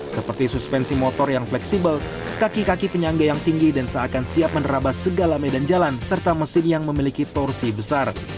seperti suspensi motor yang fleksibel kaki kaki penyangga yang tinggi dan seakan siap menerabas segala medan jalan serta mesin yang memiliki torsi besar